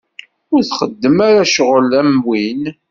Ur txeddem ara ccɣel am win.